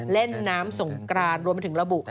เล่นน้ำสงกรานรวมไปถึงระบุ